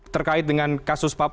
terkait dengan kasus